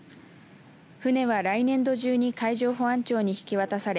船は来年度中に海上保安庁に引き渡され